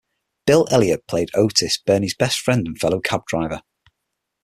Bill Elliott played Otis, Bernie's best friend and fellow cab driver.